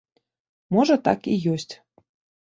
Можа так і ёсць.